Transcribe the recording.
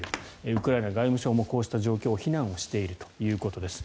ウクライナ外務省もこうした状況を非難しているということです。